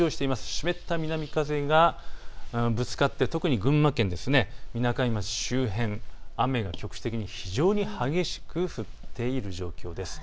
湿った南風がぶつかって特に群馬県みなかみ町周辺、雨が局地的に非常に激しく降っている状況です。